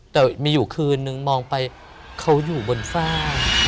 แต่มีอยู่คืนนึงมองไปเขาอยู่บนฝ้า